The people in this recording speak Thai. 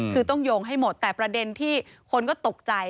คือต้องโยงให้หมดแต่ประเด็นที่คนก็ตกใจ